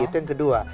itu yang kedua